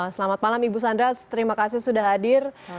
selamat malam ibu sandra terima kasih sudah hadir